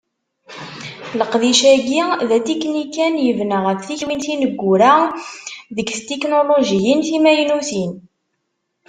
Leqdic-agi, d atiknikan yebna ɣef tiktiwin tineggura deg tetiknulujiyin timaynutin.